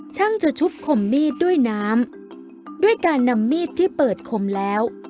ช่างจะชุบคมมีดด้วยน้ำด้วยการนำมีดที่เปิดคมแล้ว